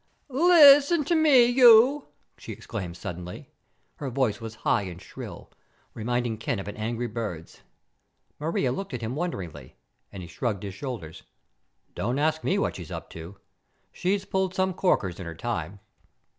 "Listen to me, you!" she exclaimed suddenly. Her voice was high and shrill, reminding Ken of an angry bird's. Maria looked at him wonderingly, and he shrugged his shoulders. "Don't ask me what she's up to. She's pulled some corkers in her time."